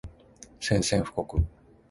宣戦布告